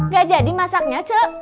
gak jadi masaknya cek